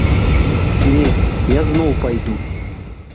Не, я зноў пайду.